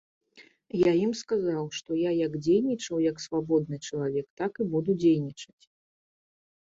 Я ім сказаў, што я як дзейнічаў як свабодны чалавек, так і буду дзейнічаць.